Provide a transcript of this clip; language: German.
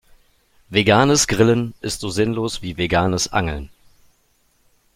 Veganes Grillen ist so sinnlos wie veganes Angeln.